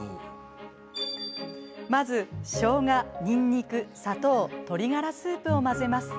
まず、しょうが、にんにく、砂糖鶏ガラスープを混ぜます。